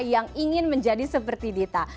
yang ingin menjadi seperti dita